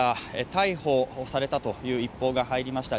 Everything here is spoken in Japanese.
逮捕されたという一報が入りました。